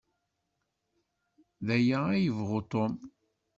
D aya ad yebɣu Tom?